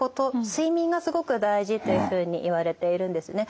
睡眠がすごく大事というふうにいわれているんですね。